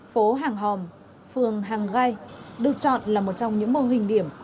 phố hàng hòm phường hàng gai được chọn là một trong những mô hình điểm